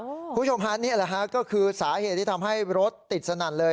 คุณผู้ชมฮะนี่แหละฮะก็คือสาเหตุที่ทำให้รถติดสนั่นเลย